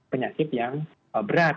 penyakit yang berat